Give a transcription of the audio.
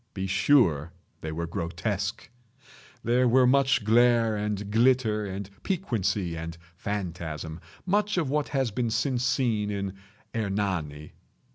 Be sure they were grotesque. There were much glare and glitter and piquancy and phantasm—much of what has been since seen in "Hernani."